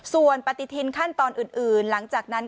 ส่วนปฏิทินขั้นตอนอื่นหลังจากนั้น